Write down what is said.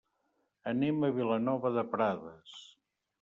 Anem a Vilanova de Prades.